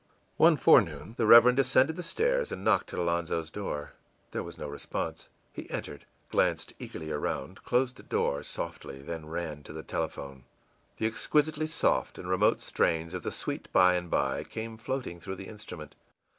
One forenoon the Reverend ascended the stairs and knocked at Alonzo's door. There was no response. He entered, glanced eagerly around, closed the door softly, then ran to the telephone. The exquisitely soft and remote strains of the ìSweet By and byî came floating through the instrument.